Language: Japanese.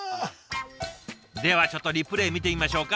ではちょっとリプレー見てみましょうか。